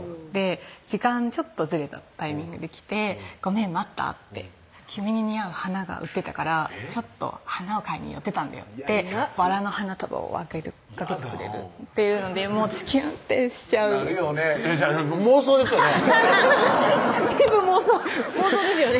時間ちょっとずれたタイミングで来て「ごめん待った？」って「君に似合う花が売ってたからちょっと花を買いに寄ってたんだよ」ってばらの花束をあげるっていうのでもうズキュンってしちゃうなるよねちゃう妄想ですよね全部妄想ですよね